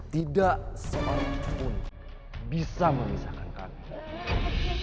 tidak semakin bisa memisahkan kami